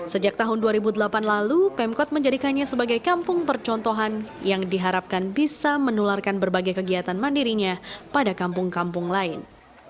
sejak tahun dua ribu delapan lalu pemkot menjadikannya sebagai kampung percontohan yang diharapkan bisa menularkan berbagai kegiatan mandirinya pada kampung kampung lain